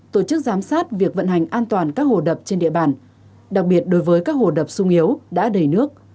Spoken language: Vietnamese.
tổ chức giám sát việc vận hành an toàn các hồ đập trên địa bàn đặc biệt đối với các hồ đập sung yếu đã đầy nước